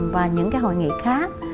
và những hội nghị khác